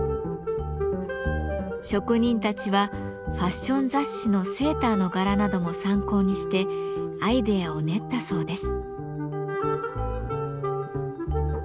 職人たちはファッション雑誌のセーターの柄なども参考にしてアイデアを練ったそうです。